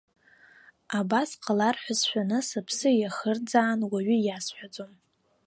Абас ҟалар ҳәа сшәаны, сыԥсы иахырӡаан уаҩы иасҳәаӡом.